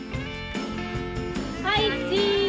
はいチーズ！